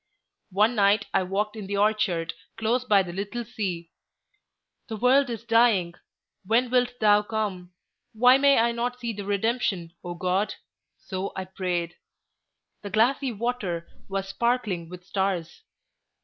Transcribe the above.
One night I walked in the orchard close by the little sea. 'The world is dying. When wilt thou come? Why may I not see the redemption, O God?' So I prayed. The glassy water was sparkling with stars.